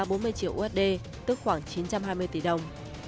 với giá bốn mươi triệu usd tức khoảng chín trăm hai mươi tỷ đồng